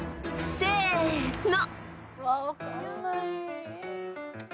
［せの］